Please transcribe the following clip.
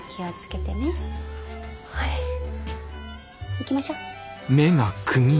行きましょう。